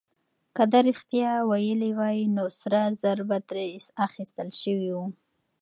که ده رښتيا ويلي وای، نو سره زر به ترې اخيستل شوي وو.